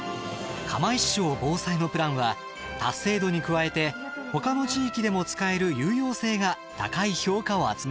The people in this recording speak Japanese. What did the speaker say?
釜石小ぼうさいのプランは達成度に加えてほかの地域でも使える有用性が高い評価を集めました。